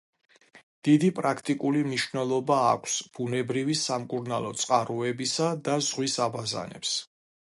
დიდი პრაქტიკული მნიშვნელობა აქვს ბუნებრივი სამკურნალო წყაროებისა და ზღვის აბაზანებს.